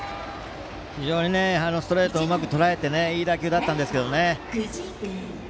非常にストレートをうまくとらえていい打球だったんですけどね。